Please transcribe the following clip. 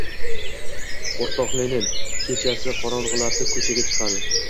O’rtoq Lenin kechani qorong‘ilatib, ko‘chaga chiqadi.